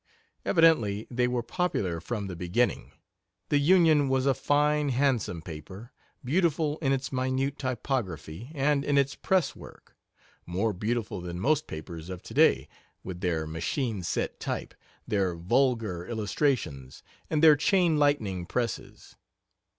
Evidently they were popular from the beginning. The Union was a fine, handsome paper beautiful in its minute typography, and in its press work; more beautiful than most papers of to day, with their machine set type, their vulgar illustrations, and their chain lightning presses.